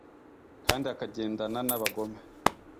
kandi akagendana n'abagome